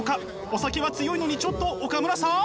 お酒は強いのにちょっと岡村さん！